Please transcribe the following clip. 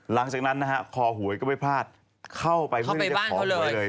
หลังจากนั้นคอหวยก็ไม่พลาดเข้าไปบ้านเขาเลย